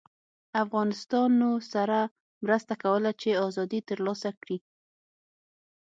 افغانانوسره مرسته کوله چې ازادي ترلاسه کړي